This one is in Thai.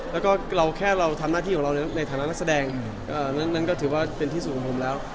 แล้วก็เราแค่เราทำหน้าที่ของเราในฐานะนักแสดงนั้นก็ถือว่าเป็นที่สุดของผมแล้ว